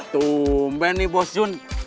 tumben nih bos jun